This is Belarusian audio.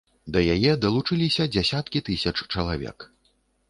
Да яе далучыліся дзясяткі тысяч чалавек.